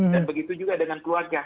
dan begitu juga dengan keluarga